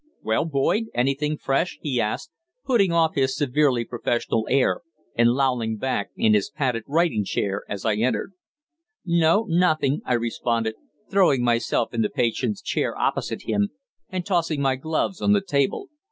"Well, Boyd, anything fresh?" he asked, putting off his severely professional air and lolling back in his padded writing chair as I entered. "No, nothing," I responded, throwing myself in the patient's chair opposite him and tossing my gloves on the table.